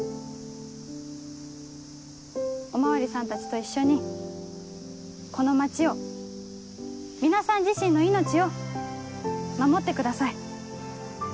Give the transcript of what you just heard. お巡りさんたちと一緒にこの街を皆さん自身の命を守ってください。